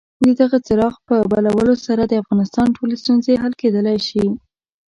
د دغه څراغ په بلولو سره د افغانستان ټولې ستونزې حل کېدلای شي.